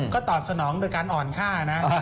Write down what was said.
ก็ตอบสนองโดยการอ่อนค่านะ